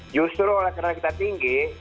justru karena kita tinggi